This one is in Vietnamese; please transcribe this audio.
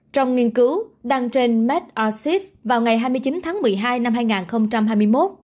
trong nghiên cứu đăng trên made arsef vào ngày hai mươi chín tháng một mươi hai năm hai nghìn hai mươi một